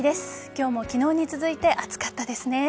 今日も昨日に続いて暑かったですね。